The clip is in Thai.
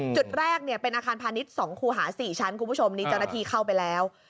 จุดแรกเนี่ยเป็นอาคารพาณิชย์๒คูหา๔ชั้นคุณผู้ชมนี่เจ้าหน้าที่เข้าไปแล้ว